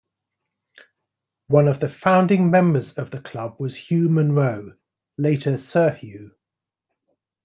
One of the founding members of the club was Hugh Munro, later Sir Hugh.